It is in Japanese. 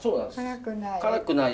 辛くない。